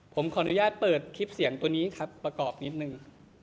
ผมขออนุญาตเปิดคลิปเสียงตัวนี้ครับประกอบนิดนึง